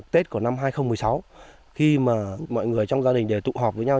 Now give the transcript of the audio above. tết của năm hai nghìn một mươi sáu khi mà mọi người trong gia đình tụ họp với nhau